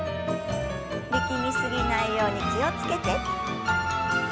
力み過ぎないように気を付けて。